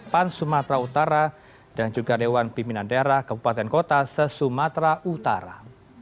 pan sumatera utara dan juga dewan pimpinan daerah kepupatan kota sesumatera utara